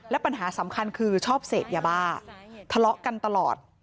และปัญหาสำคัญคือชอบเสพยาบ้าทะเลาะกันตลอด